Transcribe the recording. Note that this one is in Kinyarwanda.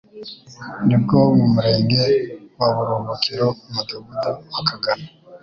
nibwo mu Murenge wa Buruhukiro Umudugudu wa Kagano